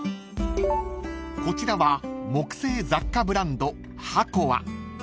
［こちらは木製雑貨ブランド］